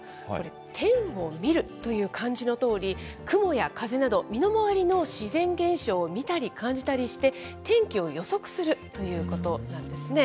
天を見るという漢字のとおり、雲や風など、身の回りの自然現象を見たり感じたりして、天気を予測するということなんですね。